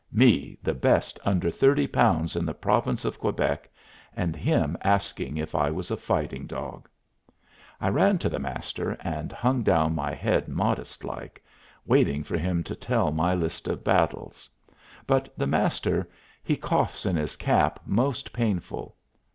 Me the best under thirty pounds in the Province of Quebec, and him asking if I was a fighting dog! I ran to the Master and hung down my head modest like, waiting for him to tell my list of battles; but the Master he coughs in his cap most painful.